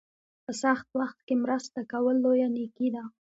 په سخت وخت کې مرسته کول لویه نیکي ده.